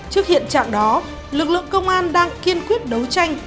trước hiện trạng đó lực lượng công an đang kiên quyết đấu tranh